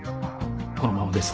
このままですと